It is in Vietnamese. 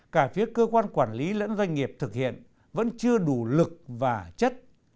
cả phía cơ quan quản lý lẫn doanh nghiệp thực hiện vẫn chưa đủ lực và chất